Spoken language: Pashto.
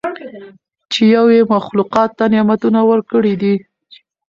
چې یو ئي مخلوقاتو ته نعمتونه ورکړي دي